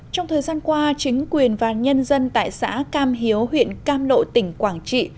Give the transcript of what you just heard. trong thời gian qua chính quyền và nhân dân tại xã cam hiếu huyện cam lộ tỉnh quảng trị